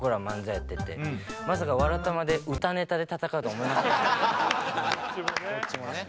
まさか「わらたま」で歌ネタで戦うとは思いませんでした。